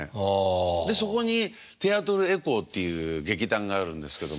そこにテアトル・エコーっていう劇団があるんですけども。